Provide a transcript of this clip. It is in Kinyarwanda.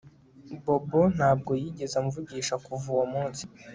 Bobo ntabwo yigeze amvugisha kuva uwo munsi